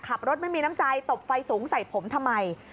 ไม่มีน้ำใจตบไฟสูงใส่ผมทำไม